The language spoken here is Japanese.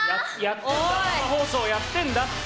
生放送やってんだって！